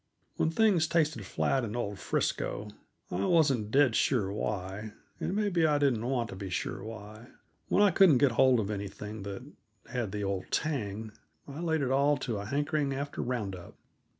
When things tasted flat in old Frisco, I wasn't dead sure why, and maybe I didn't want to be sure why. When I couldn't get hold of anything that had the old tang, I laid it all to a hankering after round up.